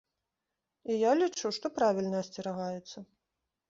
І я лічу, што правільна асцерагаецца.